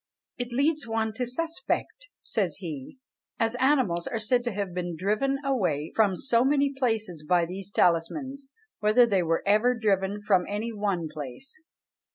"It leads one to suspect," says he, "as animals are said to have been driven away from so many places by these talismans, whether they were ever driven from any one place."